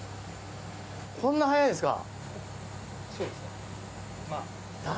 こんなに早いんですか。